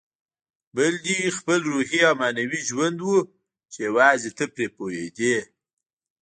بل دې خپل روحي او معنوي ژوند و چې یوازې ته پرې پوهېدې.